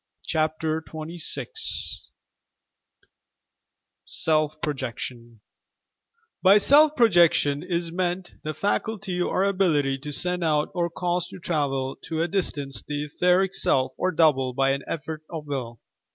CHAPTER XXVI SELF PROJECTION By "self projection" ia meant the faculty or ability to send out or cause to travel to a distance the etheric self or "double," by an effort of will.